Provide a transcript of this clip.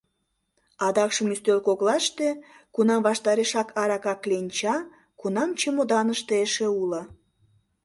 Адакшым ӱстел коклаште, кунам ваштарешак арака кленча, кунам чемоданыште эше уло.